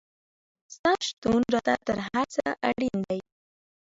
ستا شتون راته تر هر څه اړین دی